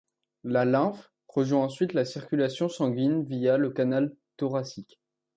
La lymphe rejoint ensuite la circulation sanguine via le canal thoracique.